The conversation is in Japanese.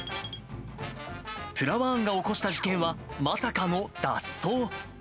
プラワーンが起こした事件は、まさかの脱走。